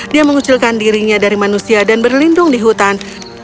dia mengucilkan dirinya dari manusia dan berlindung di hutan